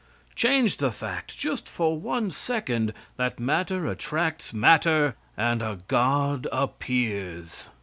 Change the fact, just for one second, that matter attracts matter, and a god appears.